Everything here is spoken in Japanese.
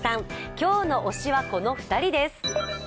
今日の推しは、この２人です。